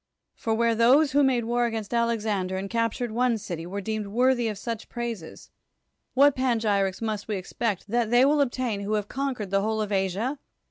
For where those who made war against Alexander, and captured one city, were deemed A\orthy of such praises, what 9f> THE WORLD'S FAMOUS ORATIONS panegyrics must we expect that they will obtain who have conquered the whole of Asia?